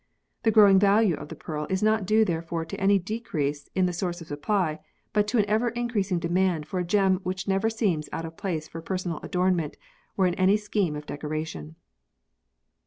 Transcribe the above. The growing value of the pearl is not due therefore to a decrease in the source of supply but to an ever increasing demand for a gem which never seems out of place for personal adornment or in any scheme of decoration.